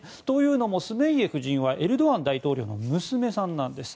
というのもスメイエ夫人はエルドアン大統領の娘さんなんです。